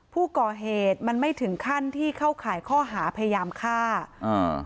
ผู้ก่อเหตุมันไม่ถึงขั้นที่เข้าข่ายข้อหาพยายามฆ่าอ่า